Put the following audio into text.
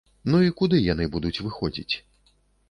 Ну і куды яны будуць выходзіць?